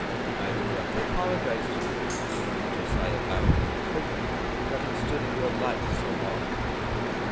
I really ought to apologise to you—being only Josiah Bounderby of Coketown—for having stood in your light so long.